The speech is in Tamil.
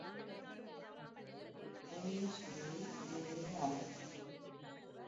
குறையச் சொல்லி, நிறைய அள.